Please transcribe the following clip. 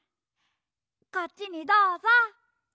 こっちにどうぞ！